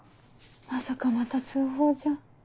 まさかまた通報じゃ。